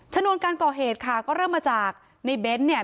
ชนวนการก่อเหตุค่ะก็เริ่มมาจากในเบ้นเนี่ย